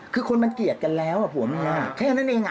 คือคนมันเกลียดกันแล้วผัวเมียแค่นั้นเอง